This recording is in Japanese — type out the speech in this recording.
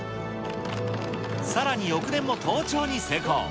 さらに翌年も登頂に成功。